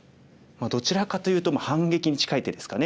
どちらかというと反撃に近い手ですかね。